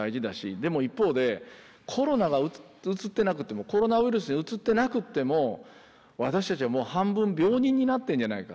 でも一方でコロナがうつってなくてもコロナウイルスにうつってなくっても私たちはもう半分病人になってんじゃないか。